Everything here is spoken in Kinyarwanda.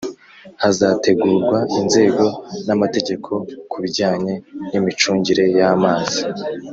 hazategurwa inzego n'amategeko ku bijyanye n'imicungire y'amazi.